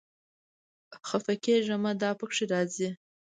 خپه کېږه مه، دا پکې راځي